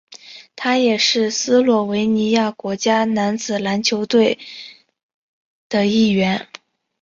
他也是斯洛维尼亚国家男子篮球队的一员。